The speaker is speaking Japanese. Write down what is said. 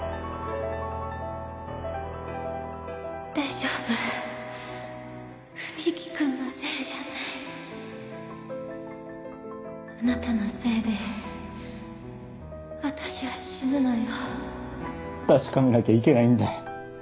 大丈夫文樹君のせいじゃあなたのせいで私は死ぬのよ確かめなきゃいけないんだ。